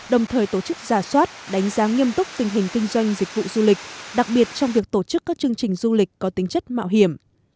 đồng thời tổ chức giả soát đánh giá nghiêm túc tình hình kinh doanh dịch vụ du lịch đặc biệt trong việc tổ chức các chương trình du lịch có tính chất mạo hiểm